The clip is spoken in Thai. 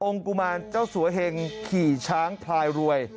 กุมารเจ้าสัวเหงขี่ช้างพลายรวย